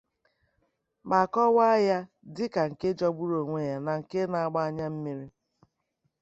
ma kọwaa ya dịka nke jọgburu ònwé ya na nke na-agba anya mmiri.